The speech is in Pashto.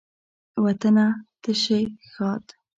وطنه ته شي ښاد